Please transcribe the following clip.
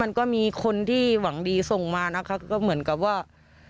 มันก็มีคนที่หวังดีส่งมานะคะก็เหมือนกับว่า